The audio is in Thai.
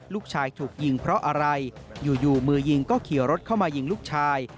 ลูกชายถูกยิงเพราะอะไรอยู่มือยิงก็ขี่รถเข้ามายิงลูกชาย